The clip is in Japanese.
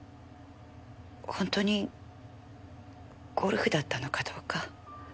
ほんとにゴルフだったのかどうか。